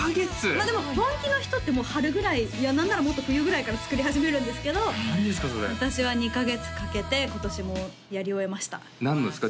まあでも本気の人ってもう春ぐらいいや何ならもっと冬ぐらいから作り始めるんですけど私は２カ月かけて今年もやり終えました何のですか？